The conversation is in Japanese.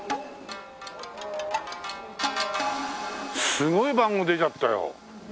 すごい番号出ちゃったよ。